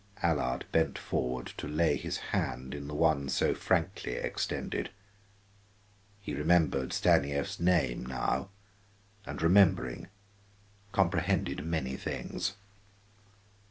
Allard bent forward to lay his hand in the one so frankly extended. He remembered Stanief's name now, and remembering, comprehended many things.